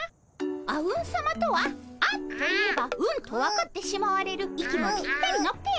あうんさまとは「あ」といえば「うん」と分かってしまわれる息もぴったりのペア。